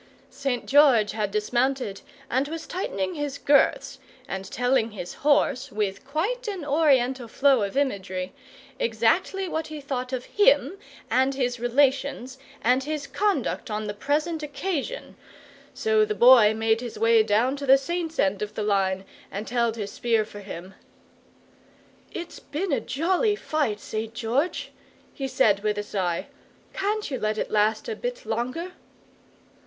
St. George had dismounted and was tightening his girths, and telling his horse, with quite an Oriental flow of imagery, exactly what he thought of him, and his relations, and his conduct on the present occasion; so the Boy made his way down to the Saint's end of the line, and held his spear for him. "It's been a jolly fight, St. George!" he said with a sigh. "Can't you let it last a bit longer?"